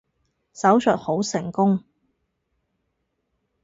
手術好成功